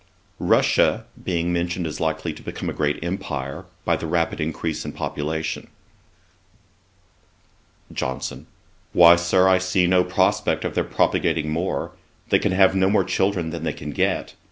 Russia being mentioned as likely to become a great empire, by the rapid increase of population: JOHNSON. 'Why, Sir, I see no prospect of their propagating more. They can have no more children than they can get.